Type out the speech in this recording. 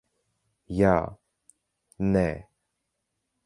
Jā. Nē.